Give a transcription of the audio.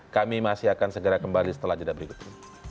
kami masih akan segera kembali setelah jeda berikutnya